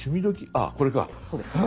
あこれか。